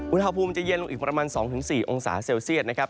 อุณหภูมิจะเย็นลงอีกประมาณ๒๔องศาเซลเซียตนะครับ